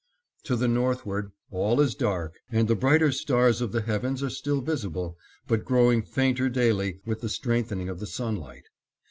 To the northward, all is dark and the brighter stars of the heavens are still visible, but growing fainter daily with the strengthening of the sunlight.